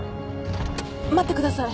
待ってください。